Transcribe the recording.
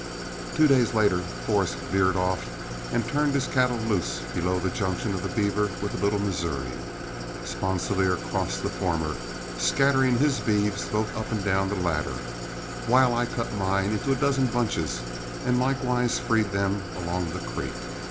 Two days later Forrest veered off and turned his cattle loose below the junction of the Beaver with the Little Missouri. Sponsilier crossed the former, scattering his beeves both up and down the latter, while I cut mine into a dozen bunches and likewise freed them along the creek.